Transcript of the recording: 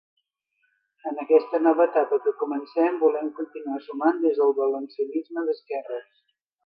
En aquesta nova etapa que comencem, volem continuar sumant des del valencianisme d’esquerres.